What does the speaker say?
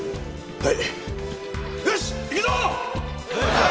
はい！